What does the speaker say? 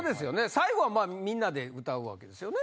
最後はみんなで歌うんですよね。